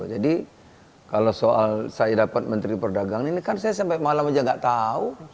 jadi kalau soal saya dapat menteri perdagangan ini kan saya sampai malam saja enggak tahu